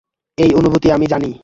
এই অনুভূতি আমি জানি।